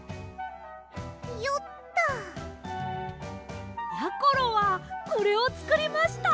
よっと！やころはこれをつくりました！